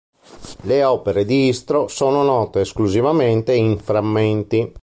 Le opere di Istro sono note esclusivamente in frammenti.